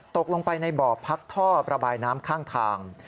ตกลงไปในบ่อพักท่อประบายน้ำข้างทาง